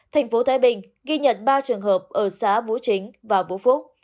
thành phố thái bình ghi nhận ba trường hợp ở xã vũ chính và vũ phúc